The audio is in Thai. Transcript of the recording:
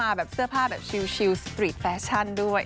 แบบเสื้อผ้าแบบชิลสตรีทแฟชั่นด้วย